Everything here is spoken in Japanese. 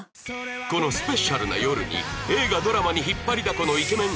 このスペシャルな夜に映画ドラマに引っ張りだこのイケメン